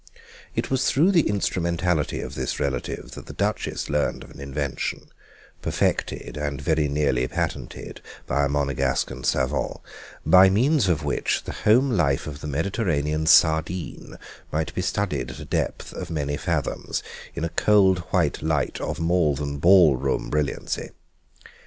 It was through the instrumentality of this relative that the Duchess learned of an invention, perfected and very nearly patented by a Monegaskan savant, by means of which the home life of the Mediterranean sardine might be studied at a depth of many fathoms in a cold white light of more than ball room brilliancy.